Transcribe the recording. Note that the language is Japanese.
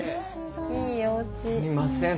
すいません。